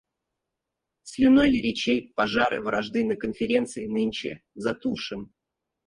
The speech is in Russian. Слюной ли речей пожары вражды на конференции нынче затушим?!